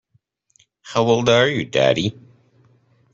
How old are you, daddy.